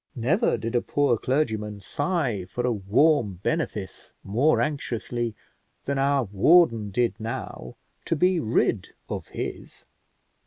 Never did a poor clergyman sigh for a warm benefice more anxiously than our warden did now to be rid of his.